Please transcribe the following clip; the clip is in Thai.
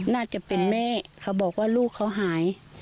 น่าจะเป็นแม่เขาบอกว่าลูกเขาหาย